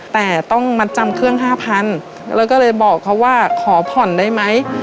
แต่ต้องมัดจำเครื่องห้าพันแล้วก็เลยบอกเขาว่าขอผ่อนได้ไหม